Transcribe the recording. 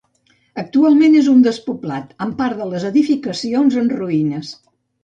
Actualment és un despoblat, amb part de les edificacions en ruïnes.